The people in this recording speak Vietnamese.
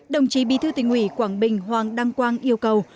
đồng chí bí thư tỉnh ủy quảng bình hoàng đăng quang yêu cầu